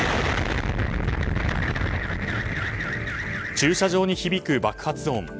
駐車場に響く爆発音。